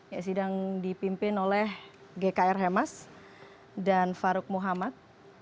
yang sedang dipimpin oleh gkr hemas dan farouk muhammad